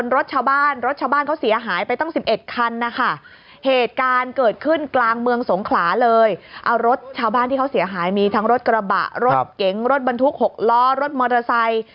รถเก๋งรถบรรทุก๖ล้อรถมอเตอร์ไซค์